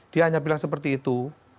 dia hanya bilang seperti itu